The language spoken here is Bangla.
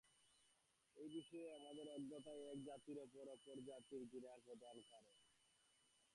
এই বিষয়ে আমাদের অজ্ঞতাই এক জাতির প্রতি অপর জাতির ঘৃণার প্রধান কারণ।